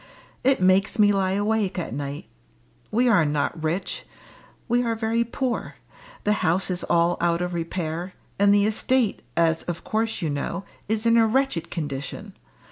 It makes me lie awake at night. We are not rich we are very poor the house is all out of repair, and the estate, as of course you know, is in a wretched condition.